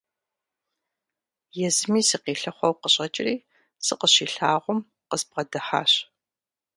Езыми сыкъилъыхъуэу къыщӀэкӀри, сыкъыщилъагъум, къызбгъэдыхьащ.